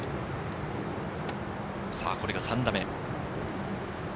これが３打目。